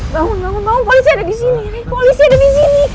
bangun bangun bangun polisi ada disini rick polisi ada disini